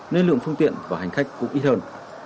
nên lượng phương tiện và hành khách cũng ít hơn